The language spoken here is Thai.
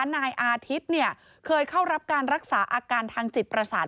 นายอาทิตย์เคยเข้ารับการรักษาอาการทางจิตประสาท